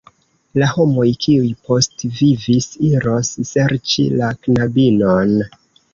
La homoj kiuj postvivis iros serĉi la knabinon.